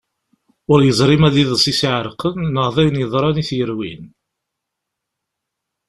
Ur yeẓri ma d iḍes i as-iɛerqen neɣ d ayen yeḍran i t-yerwin.